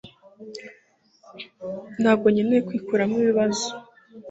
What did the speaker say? ntabwo nkeneye kwikuramo ibibazo